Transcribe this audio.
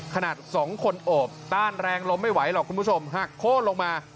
ขนาดสองคนโอบต้านแรงล้มไม่ไหวหรอกคุณผู้ชมหักโค้นลงมา